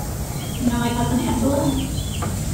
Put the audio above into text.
You know my cousin Angela?